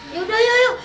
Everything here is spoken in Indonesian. yaudah yuk yuk